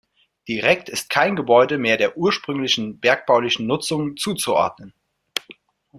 Direkt ist kein Gebäude mehr der ursprünglichen bergbaulichen Nutzung zuzuordnen.